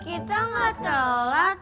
kita gak telat